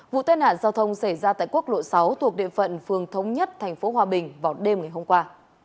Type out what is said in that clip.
vụ tai nạn giao thông xảy ra tại quốc lộ sáu thuộc địa phận phường thống nhất tp hòa bình vào đêm ngày hôm qua